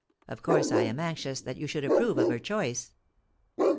Of course I am anxious that you should approve of her choice.'